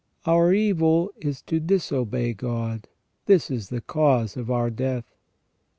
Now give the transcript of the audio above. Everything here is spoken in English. Our evil is to disobey God ; this is the cause of our death.